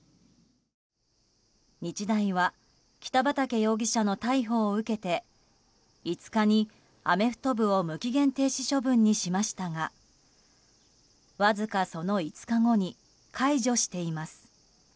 日大は北畠容疑者の逮捕を受けて５日に、アメフト部を無期限停止処分にしましたがわずか、その５日後に解除しています。